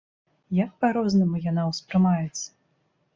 Як па-рознаму яна ўспрымаецца!